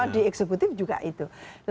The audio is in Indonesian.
di eksekutif juga itu